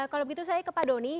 kalau begitu saya ke pak doni